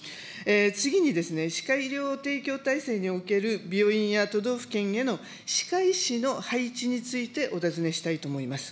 次に、歯科医療提供体制における病院や都道府県への歯科医師の配置について、お尋ねしたいと思います。